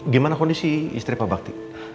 gimana kondisi istri pak bakti